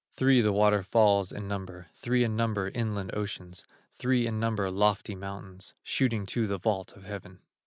Three, the water falls in number, Three in number, inland oceans, Three in number, lofty mountains, Shooting to the vault of heaven.